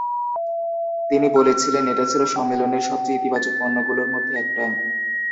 তিনি বলেছিলেন, এটা ছিল সম্মেলনের সবচেয়ে ইতিবাচক পণ্যগুলোর মধ্যে একটা।